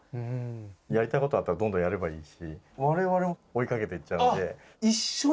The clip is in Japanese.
やりたいことあったら、どんどんやればいいですし、われわれも追いかけていっちゃう一緒に。